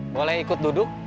boleh ikut duduk